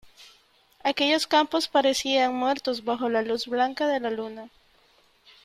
aquellos campos parecían muertos bajo la luz blanca de la luna :